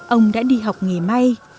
ông đã đi học nghề may